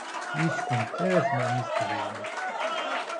Yes-kent ara tennerni teqbaylit.